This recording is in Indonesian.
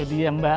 itu dia mbak